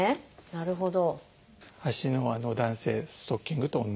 なるほど。